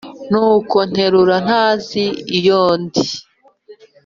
Nuko nterura ntazi iyo ndi